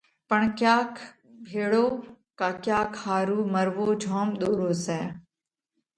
پڻ ڪياڪ ڀيۯو ڪا ڪياڪ ۿارُو مروو جوم ۮورو سئہ۔